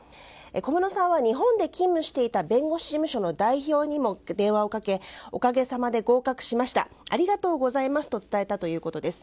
小室さんは日本で勤務していた弁護士事務所の代表にも電話をかけおかげさまで合格しましたありがとうございますと伝えたということです。